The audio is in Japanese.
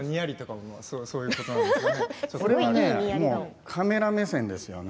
もうカメラ目線ですよね。